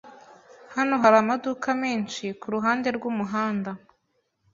Hano hari amaduka menshi kuruhande rwumuhanda.